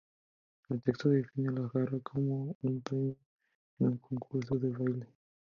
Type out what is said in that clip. El texto define la jarra como un premio en un concurso de baile.